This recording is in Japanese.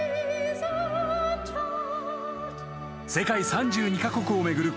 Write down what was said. ［世界３２カ国を巡る